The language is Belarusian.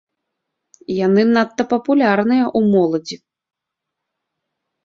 Яны надта папулярныя ў моладзі.